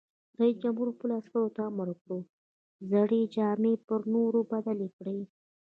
رئیس جمهور خپلو عسکرو ته امر وکړ؛ زړې جامې پر نوو بدلې کړئ!